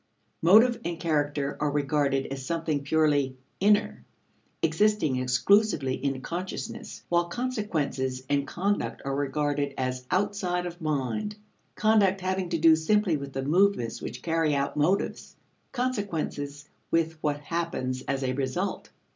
Motive and character are regarded as something purely "inner," existing exclusively in consciousness, while consequences and conduct are regarded as outside of mind, conduct having to do simply with the movements which carry out motives; consequences with what happens as a result.